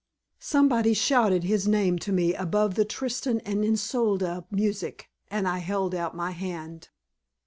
Somebody shouted his name to me above the Tristan and Isolde music, and I held out my hand.